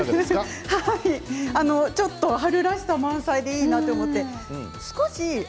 ちょっと春らしさが満載でいいなと思って。